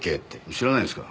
知らないんですか？